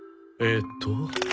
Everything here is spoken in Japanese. えーっと。